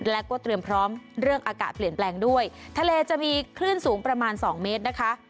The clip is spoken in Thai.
และก็เตรียมพร้อมเรื่องอากาศเปลี่ยนแปลงด้วยทะเลจะมีคลื่นสูงประมาณสองเมตรนะคะ